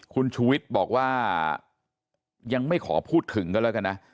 คุณชูวิทย์บอกว่ายังไม่ขอพูดถึงกันแล้วกันนะ